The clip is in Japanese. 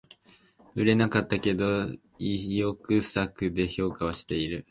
売れなかったけど意欲作で評価はしてる